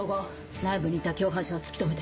内部にいた共犯者を突き止めて。